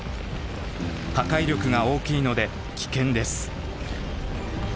破壊力が大きいので危険です。